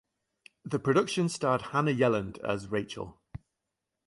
The production starred Hannah Yelland as Rachel.